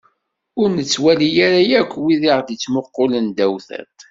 Ur nettwali ara akk wid i aɣ-d-yettmuqulen ddaw tiṭ.